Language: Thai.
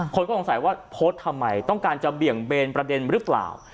คนก็สงสัยว่าโพสต์ทำไมต้องการจะเบี่ยงเบนประเด็นหรือเปล่า